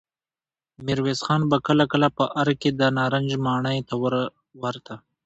ميرويس خان به کله کله په ارګ کې د نارنج ماڼۍ ته ورته.